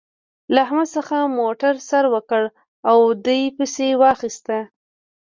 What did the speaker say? له احمد څخه موتر سر وکړ او دې پسې واخيست.